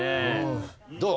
どう？